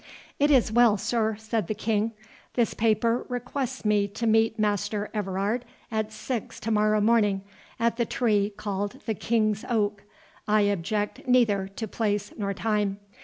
"It is well, sir," said the King. "This paper requests me to meet Master Everard at six to morrow morning, at the tree called the King's Oak—I object neither to place nor time.